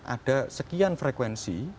ada sekian frekuensi